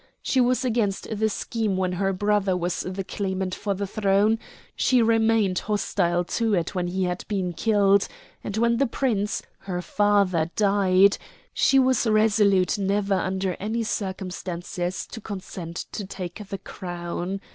She was against the scheme when her brother was the claimant for the throne; she remained hostile to it when he had been killed; and when the Prince, her father, died, she was resolute never under any circumstances to consent to take the crown.